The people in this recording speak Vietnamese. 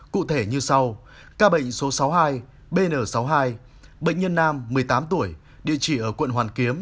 cụ thể như sau ca bệnh số sáu mươi hai bn sáu mươi hai bệnh nhân nam một mươi tám tuổi địa chỉ ở quận hoàn kiếm